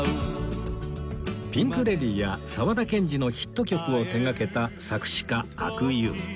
ピンク・レディーや沢田研二のヒット曲を手がけた作詞家阿久悠